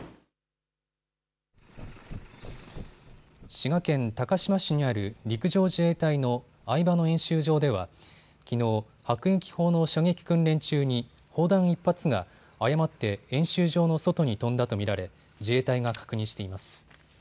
滋賀県高島市にある陸上自衛隊の饗庭野演習場ではきのう、迫撃砲の射撃訓練中に砲弾１発が誤って演習場の外に飛んだと見られ、自衛隊が確認しています。